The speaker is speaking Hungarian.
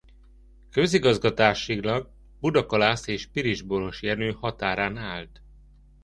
Közigazgatásilag Budakalász és Pilisborosjenő határán állt.